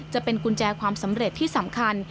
จะเป็นกุญแจความสำเร็จที่สำคัญ